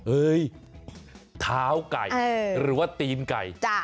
เฮ้ยท้าวไก่เออหรือว่าตีนไก่จ้ะ